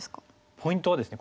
ポイントはですね